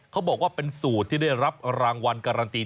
เขาบอกว่าเป็นสูตรที่ได้รับรางวัลการันตี